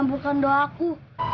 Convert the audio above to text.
mama gak tau